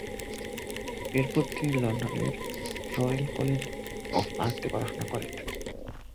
এরপর তিনি লন্ডনের রয়েল কলেজ অফ আর্টে পড়াশুনা করেন।